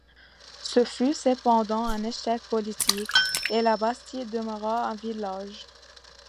Ce fut cependant un échec politique et la bastide demeura un village.